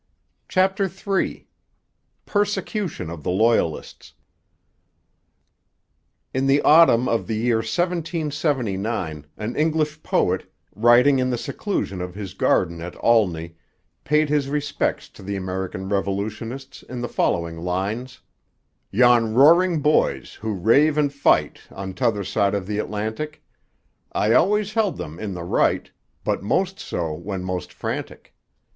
CHAPTER III PERSECUTION OF THE LOYALISTS In the autumn of the year 1779 an English poet, writing in the seclusion of his garden at Olney, paid his respects to the American revolutionists in the following lines: Yon roaring boys, who rave and fight On t'other side the Atlantic, I always held them in the right, But most so when most frantic.